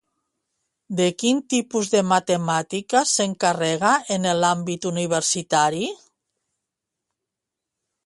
De quin tipus de temàtiques s'encarrega en l'àmbit universitari?